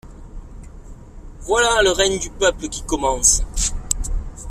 Voilà le règne du peuple qui commence.